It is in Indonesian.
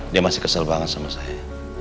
dia masih kesel banget sama saya